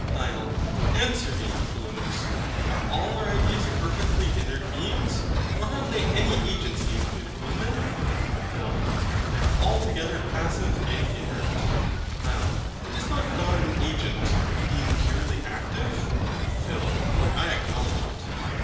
HYL. Answer me, Philonous. Are all our ideas perfectly inert beings? Or have they any agency included in them? PHIL. They are altogether passive and inert. HYL. And is not God an agent, a being purely active? PHIL. I acknowledge it.